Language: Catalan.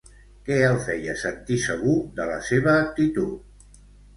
Què el feia sentir segur de la seva actitud?